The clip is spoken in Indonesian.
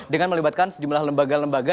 dengan melibatkan sejumlah lembaga lembaga